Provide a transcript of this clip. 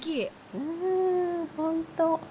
うん本当。